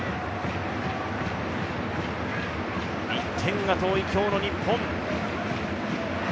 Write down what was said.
１点が遠い今日の日本。